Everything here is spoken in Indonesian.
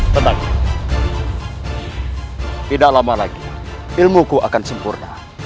tenang tidak lama lagi ilmuku akan sempurna